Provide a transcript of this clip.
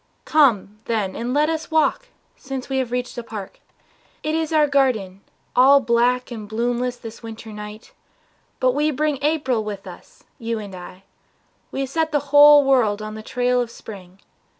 ... Come, then, and let us walk Since we have reached the park. It is our garden, All black and blossomless this winter night, But we bring April with us, you and I; We set the whole world on the trail of spring.